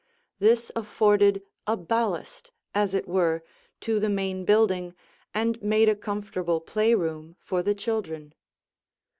This afforded a ballast, as it were, to the main building and made a comfortable playroom for the children.